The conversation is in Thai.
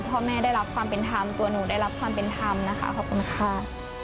พ่อแม่ได้รับความเป็นธรรมตัวหนูได้รับความเป็นธรรมนะคะขอบคุณค่ะ